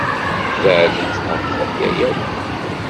Beɛdemt ɣef waya akk!